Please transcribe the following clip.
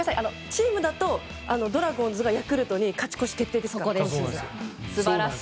チームだとドラゴンズがヤクルトに勝ち越し決定です。